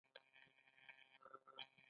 او په خوله کې يې قیضه وي